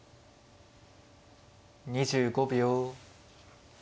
２５秒。